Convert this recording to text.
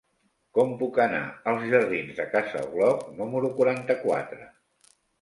Com puc anar als jardins de Casa Bloc número quaranta-quatre?